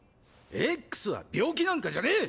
Ｘは病気なんかじゃねぇ！